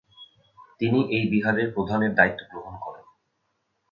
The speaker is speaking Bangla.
তিনি এই বিহারের প্রধানের দায়িত্ব গ্রহণ করেন।